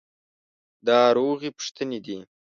دا روغې پوښتنې دي.